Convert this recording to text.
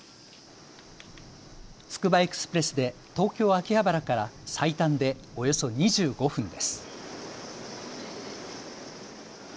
つくばエクスプレスで東京秋葉原から最短でおよそ２５分です。